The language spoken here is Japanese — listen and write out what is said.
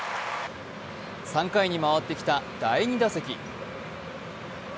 ３回に回ってきた第２打席。